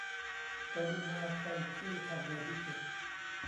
กรุณาไปที่ทางเดินที่เจ็ด